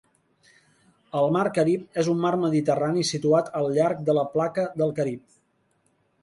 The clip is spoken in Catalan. El mar Carib és un mar mediterrani situat al llarg de la placa del Carib.